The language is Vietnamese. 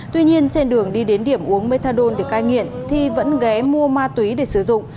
tuy nhiên trên đường đi đến điểm uống methadone để cai nghiện thi vẫn ghé mua ma túy để sử dụng